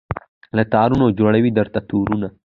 له تارونو جوړوي درته تورونه